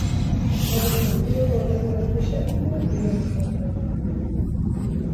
Можеби мастилото отсекогаш беше моја природна состојба.